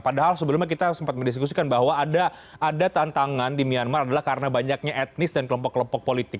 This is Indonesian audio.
padahal sebelumnya kita sempat mendiskusikan bahwa ada tantangan di myanmar adalah karena banyaknya etnis dan kelompok kelompok politik